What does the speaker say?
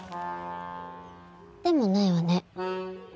でもないわね。